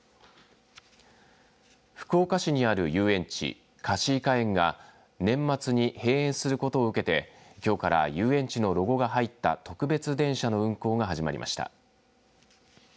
福岡市にある遊園地かしいかえんが年末に閉園することをうけてきょうから遊園地のロゴが入った特別電車の運行が始まりました。